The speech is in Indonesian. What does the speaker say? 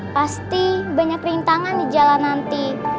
pasti banyak rintangan di jalan nanti